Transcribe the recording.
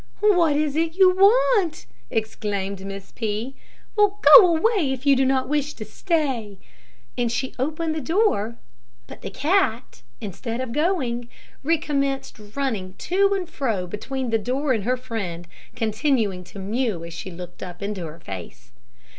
"What is it you want?" exclaimed Miss P . "Well, go away, if you do not wish to stay!" and she opened the door; but the cat, instead of going, recommenced running to and fro between the door and her friend, continuing to mew as she looked up into her face.